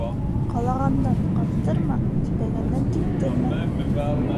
Ҡалағандан ҡаптырма, тибәгәндән типтермә;